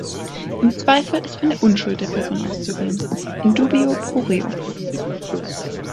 Im Zweifel ist von der Unschuld der Person auszugehen (in dubio pro reo).